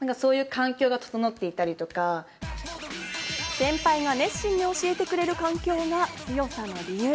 先輩が熱心に教えてくれる環境が強さの理由。